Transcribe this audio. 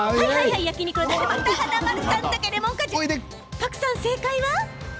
パクさん、正解は？